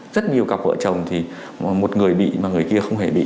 rất nhiều cặp vợ chồng thì một người bị mà người kia không hề bị